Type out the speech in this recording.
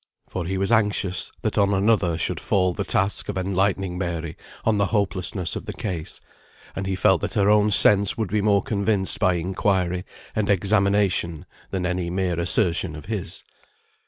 For he was anxious that on another should fall the task of enlightening Mary on the hopelessness of the case, and he felt that her own sense would be more convinced by inquiry and examination than any mere assertion of his.